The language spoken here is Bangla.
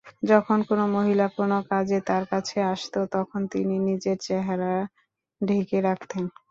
যখন কোন মহিলা কোন কাজে তার কাছে আসত তখন তিনি নিজের চেহারা ঢেকে রাখতেন।